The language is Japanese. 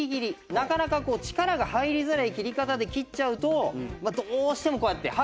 なかなかこう力が入りづらい切り方で切っちゃうとどうしてもこうやって刃が止まっちゃうんですよね。